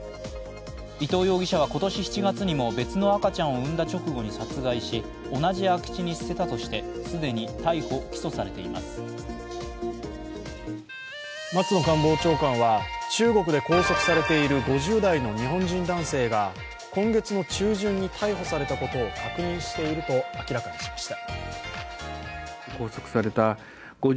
伊藤容疑者は今年７月にも、別の赤ちゃんを産んだ直後に殺害し同じ空き地に捨てたとして松野官房長官は中国で拘束されている５０代の日本人男性が、今月の中旬に逮捕されたことを確認していると明らかにしました。